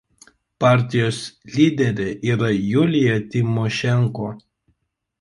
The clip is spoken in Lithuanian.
Partijos lyderė yra Julija Tymošenko.